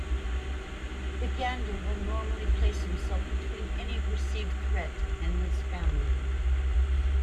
The gander will normally place himself between any perceived threat and his family.